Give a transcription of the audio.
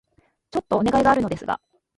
ちょっとお願いがあるのですが...